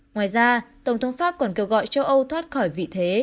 ngoài ra tổng thống pháp còn kêu gọi châu âu thoát khỏi vị thế